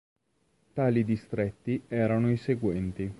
Tali distretti erano i seguenti.